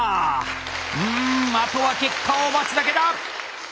うんあとは結果を待つだけだ！